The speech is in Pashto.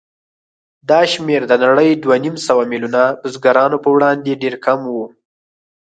دا شمېر د نړۍ دوهنیمسوه میلیونه بزګرانو په وړاندې ډېر کم و.